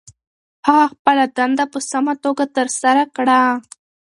هغه خپله دنده په سمه توګه ترسره کړه.